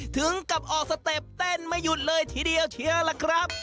ถึงกับออกสเต็ปเต้นไม่หยุดเลยทีเดียวเชียวล่ะครับ